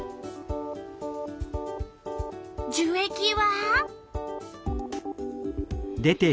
樹液は？